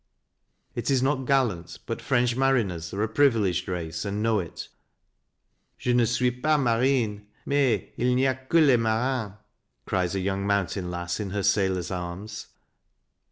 It is not gallant, but French mariners are a privileged race and know it. " Je ne suis pas marine, mais il n'y a que les marins," cries a mountain lass in her sailor's arms.